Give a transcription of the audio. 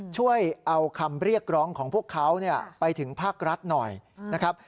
ช่วยเอาคำเรียกร้องของพวกเขาไปถึงภาครัฐหน่อยนะครับ